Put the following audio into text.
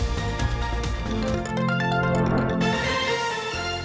โปรดติดตามตอนต่อไป